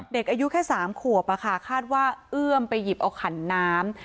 เด็กอายุแค่๓ขวบคาดว่าเอื้อมไปหยิบเอาขันน้ำ